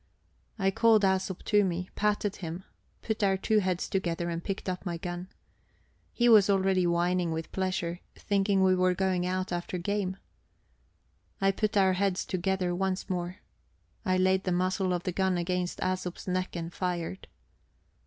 I called Æsop to me, patted him, put our two heads together, and picked up my gun. He was already whining with pleasure, thinking we were going out after game. I put our heads together once more; I laid the muzzle of the gun against Æsop's neck and fired...